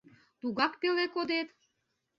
Тугак пеле кодет?